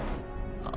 あっ。